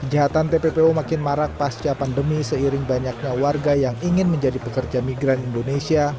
kejahatan tppo makin marak pasca pandemi seiring banyaknya warga yang ingin menjadi pekerja migran indonesia